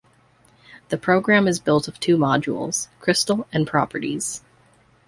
The program is built of two modules: "crystal" and "properties".